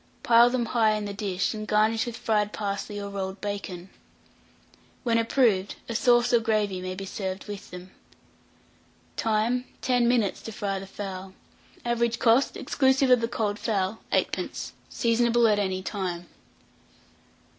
Pile them high in the dish, and garnish with fried parsley or rolled bacon. When approved, a sauce or gravy may be served with them. Time. 10 minutes to fry the fowl. Average cost, exclusive of the cold fowl, 8d. Seasonable at any time.